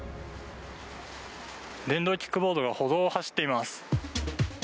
電動キックボードが歩道を走っています。